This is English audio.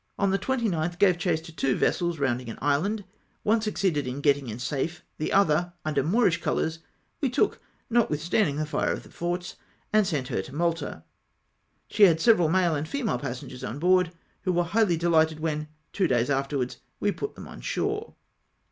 On the 29th gave chase to two vessels rounding an island ; one succeeded in getting in safe, the other, under Moorish colours, we took, notwith standing the fire of the forts, and sent her to Malta ; she had several male and female passengers on board, who were highly dehghted when, two days afterwards, we put them on shore.